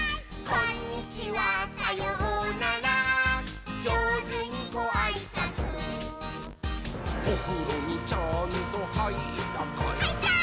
「こんにちはさようならじょうずにごあいさつ」「おふろにちゃんとはいったかい？」はいったー！